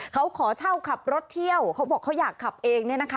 เขาขอเช่าขับรถเที่ยวเขาบอกเขาอยากขับเอง